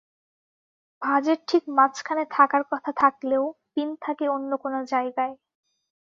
ভাঁজের ঠিক মাঝখানে থাকার কথা থাকলেও পিন থাকে অন্য কোনো জায়গায়।